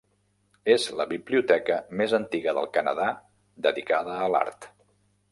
És la biblioteca més antiga del Canadà dedicada a l'art.